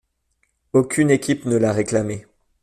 Aucune équipe ne l'a réclamé.